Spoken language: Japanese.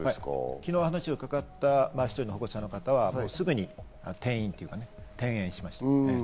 昨日お話を伺った１人の保護者の方はすぐに転園しました。